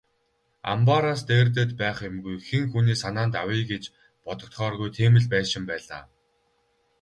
Амбаараас дээрдээд байх юмгүй, хэн хүний санаанд авъя гэж бодогдохооргүй тийм л байшин байлаа.